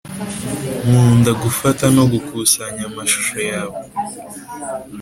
nkunda gufata no gukusanya amashusho yawe